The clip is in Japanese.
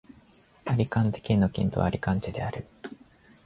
アリカンテ県の県都はアリカンテである